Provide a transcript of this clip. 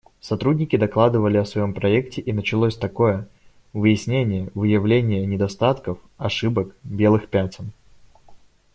Сотрудники докладывали о своем проекте, и начиналось такое: выяснения, выявление недостатков, ошибок, белых пятен.